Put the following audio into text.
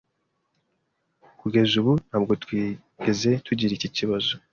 Kugeza ubu, ntabwo twigeze tugira iki kibazo.